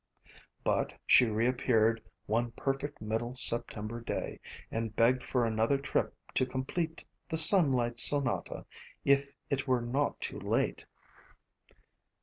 But she reappeared one perfect middle September day, and begged for another trip to complete the Sunlight Sonata, if it were not too late.